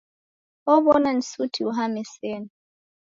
Ow'ona ni suti uhame sena.